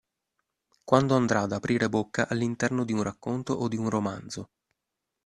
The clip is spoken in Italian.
Quando andrà ad aprire bocca all'interno di un racconto o di un romanzo.